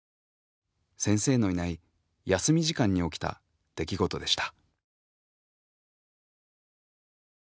先生のいない休み時間に起きた出来事でした。